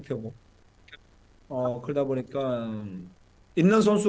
kita harus berhasil dan mencapai hasil yang baik